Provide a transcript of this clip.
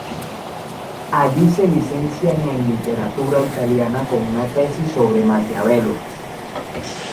Allí se licencia en literatura italiana con una tesis sobre Maquiavelo.